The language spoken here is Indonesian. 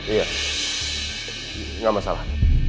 iya gak masalah